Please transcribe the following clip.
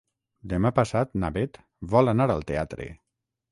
Demà passat na Bet vol anar al teatre.